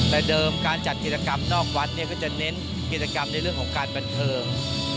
แต่เดิมการจัดกิจกรรมนอกวัดเนี่ยก็จะเน้นกิจกรรมในเรื่องของการบันเทิง